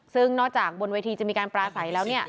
ซึ่งนอกจากบนเวทีจะมีการปลาใสแล้ว